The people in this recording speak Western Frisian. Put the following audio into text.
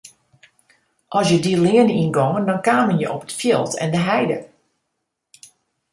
As je dy leane yngongen dan kamen je op it fjild en de heide.